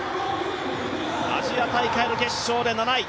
アジア大会の決勝で７位。